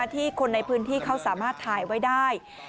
ที่คนในพื้นที่เขาสามารถถ่ายไว้ได้